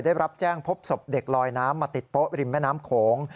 ได้รับแจ้งพบศพเด็กลอยน้ำมาติดโป๊ะริมแม่น้ำโขง